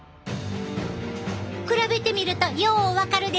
比べてみるとよう分かるで！